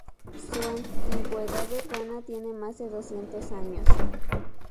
Su antigüedad urbana tiene más de doscientos años.